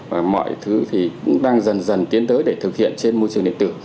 và mọi thứ thì cũng đang dần dần tiến tới để thực hiện trên môi trường điện tử